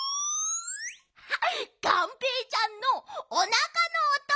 がんぺーちゃんのおなかのおと！